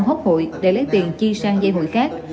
hốt hội để lấy tiền chi sang dây hội khác